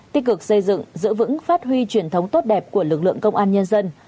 tích cực xây dựng giữ vững phát huy truyền thống tốt đẹp của lực lượng công an nhân dân